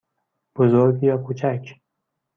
بزرگ یا کوچک؟